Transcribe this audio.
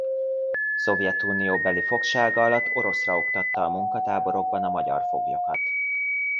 Szovjetunióbeli fogsága alatt oroszra oktatta a munkatáborokban a magyar foglyokat.